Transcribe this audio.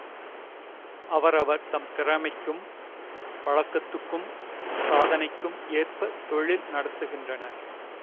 அவரவர் தம் திறமைக்கும் பழக்கத்துக்கும் சாதனைக்கும் ஏற்பத் தொழில் நடத்துகின்றனர்.